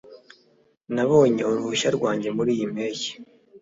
Nabonye uruhushya rwanjye muriyi mpeshyi